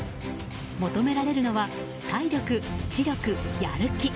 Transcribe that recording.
求められるのは体力、知力、やる気。